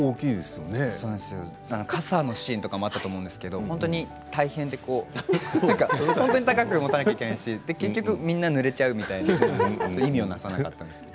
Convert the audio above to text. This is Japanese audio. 傘のシーンがあったと思うんですけど本当に大変で本当に高く持たないといけないし結局みんな、ぬれちゃうみたいな意味をなさなかったんですけど。